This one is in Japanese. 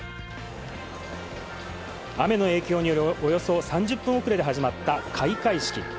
雨の影響により、およそ３０分遅れで始まった開会式。